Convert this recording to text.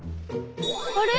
あれ？